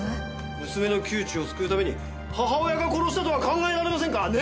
娘の窮地を救うために母親が殺したとは考えられませんか？ね。